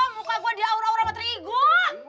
muka gua diaura aura matriku